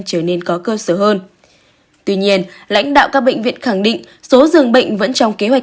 trở nên có cơ sở hơn tuy nhiên lãnh đạo các bệnh viện khẳng định số dường bệnh vẫn trong kế hoạch